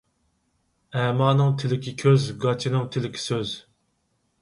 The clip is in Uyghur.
ئەمانىڭ تىلىكى كۆز، گاچىنىڭ تىلىكى سۆز.